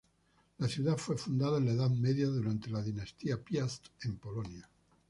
La ciudad fue fundada en la Edad Media durante la dinastía Piast en Polonia.